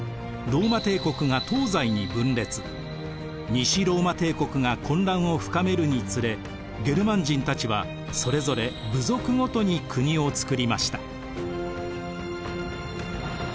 西ローマ帝国が混乱を深めるにつれゲルマン人たちはそれぞれ部族ごとに国をつくりました。